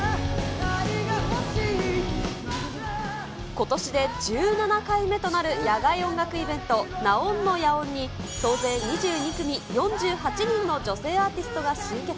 ことしで１７回目となる野外音楽イベント、ナオンのヤオンに、総勢２２組４８人の女性アーティストが集結。